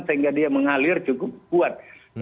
sehingga dia mengalir cukup kuat